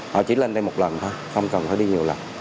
họ chỉ lên đây một lần thôi không cần phải đi nhiều lần